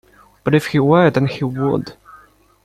But if he were, then he would.